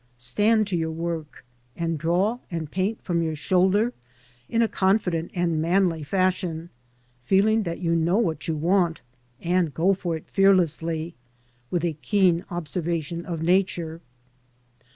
Stand to your work, and draw and paint from your shoulder in a confident and manly fashion, feeling that you know what you want, and go for it fearlessly, with a keen observation of Nature.